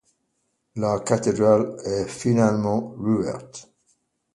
La cathédrale est finalement rouverte.